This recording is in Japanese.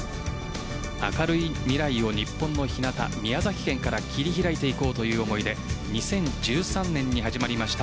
明るい未来を日本のひなた・宮崎県から切り開いていこうという思いで２０１３年に始まりました